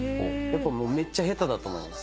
めっちゃ下手だと思います。